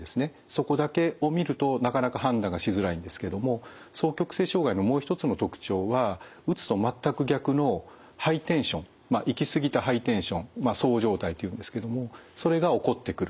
そこだけを見るとなかなか判断がしづらいんですけども双極性障害のもう一つの特徴はうつと全く逆のハイテンション行き過ぎたハイテンションそう状態というんですけどもそれが起こってくる。